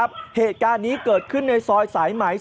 เบิร์ตลมเสียโอ้โห